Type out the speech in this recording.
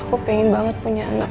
aku pengen banget punya anak